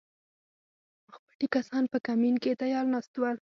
مخپټي کسان په کمین کې تیار ناست ول